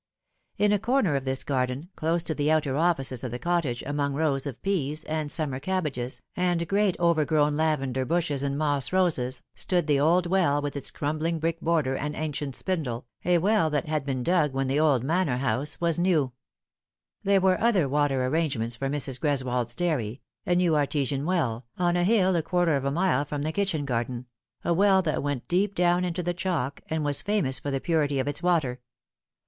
In a corner of this garden, close to the outer offices of the cottage, among rows of peas, and summet 'abbages, and great overgrown lavender bushes and moss roses, s>^od the old wellj with its crumbling brick border and ancient spindle, a well that.had been dug when the old manor house was new. 30 The Fatal Three. There were other water arrangements for Mrs. GreswclcTs dairy, a new artesian well, on a hill a quarter of a mile from the kitchen garden, a well that went deep down into the chalk, and was famous for the purity of its water.